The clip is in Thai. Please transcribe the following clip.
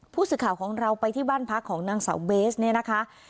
ผู้สื่อข่าวของเราไปที่บ้านพักของนางสาวเบสเนี่ยนะคะ